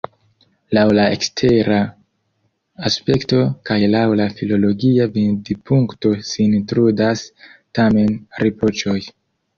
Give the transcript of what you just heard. Laŭ la ekstera aspekto kaj laŭ la filologia vidpunkto sin trudas tamen riproĉoj.